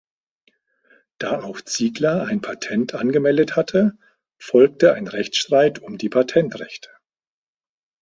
Da auch Ziegler ein Patent angemeldet hatte, folgte ein Rechtsstreit um die Patentrechte.